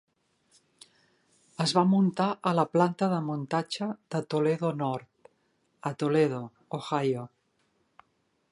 Es va muntar a la planta de muntatge de Toledo North a Toledo, Ohio.